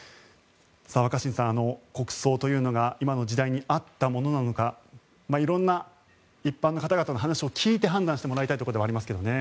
若新さん、国葬というのが今の時代に合ったものなのか色んな一般の方々の話を聞いて判断してもらいたいところではありますけどね。